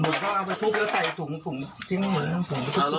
เหมือนก็เอาไปทุบก็ใส่ตุ่มทิ้งเหมือนตังกว่า